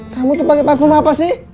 kamu tuh pake parfum apa sih